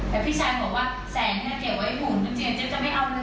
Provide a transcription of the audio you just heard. แต่พี่ชายบอกว่าแสนเนี่ยเก็บไว้หุ่นนะเจ๊จะไม่เอานะ